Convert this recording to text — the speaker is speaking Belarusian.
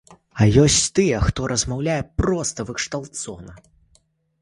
А ёсць тыя, хто размаўляе проста выкшталцона!